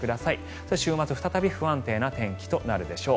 そして週末、再び不安定な天気となるでしょう。